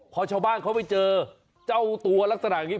เพราะชาวบ้านเขาไม่เจอ๓๔๓ตัวลักษณะอย่างนี้